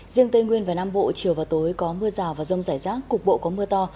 riêng tây nguyên và nam bộ chiều và tối có mưa rào và rông rải rác cục bộ có mưa to